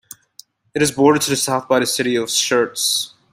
It is bordered to the south by the city of Schertz.